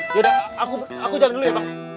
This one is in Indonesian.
yaudah aku jalan dulu ya bang